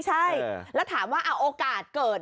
ใช่แล้วถามว่าโอกาสเกิด